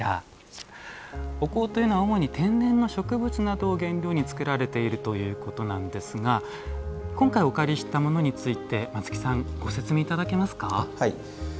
お香というのは主に天然の植物などを原料に作られているということですが今回、お借りしたものについて松木さんご説明いただけますか。